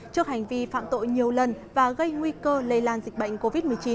trước hành vi phạm tội nhiều lần và gây nguy cơ lây lan dịch bệnh covid một mươi chín